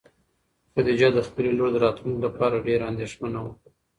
خدیجه د خپلې لور د راتلونکي لپاره ډېره اندېښمنه وه.